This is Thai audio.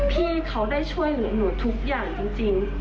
พี่เขาได้ช่วยเหลือหนูทุกอย่างจริง